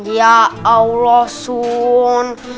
ya allah sun